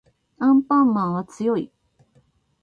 アンパンマンは強い